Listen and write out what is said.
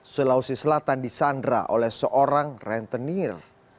sulawesi selatan di sandra oleh seorang rentenir